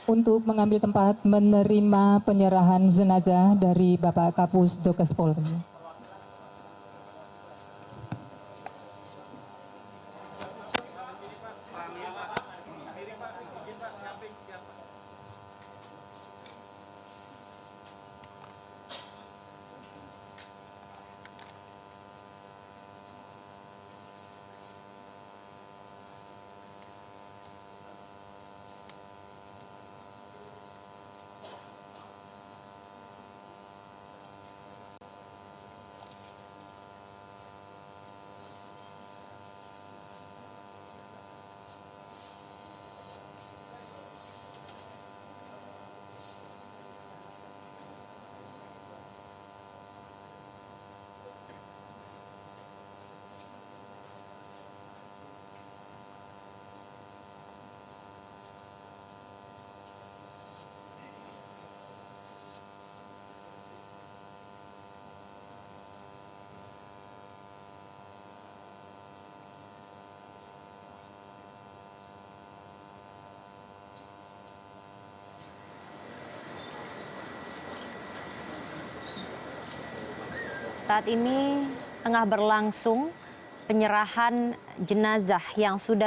untuk mengambil tempat menerima penyerahan jenazah dari bapak kapus dokespol